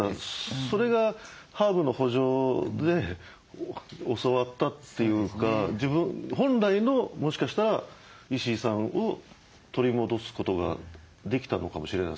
それがハーブの圃場で教わったというか自分本来のもしかしたら石井さんを取り戻すことができたのかもしれませんよね。